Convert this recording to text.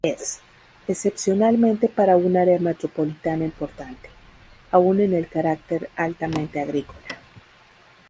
Es, excepcionalmente para un área metropolitana importante, aún en el carácter altamente agrícola.